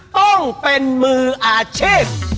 ต้องเป็นมืออาชีพ